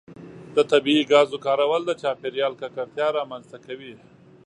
د طبیعي ګازو کارول د چاپیریال ککړتیا رامنځته کوي.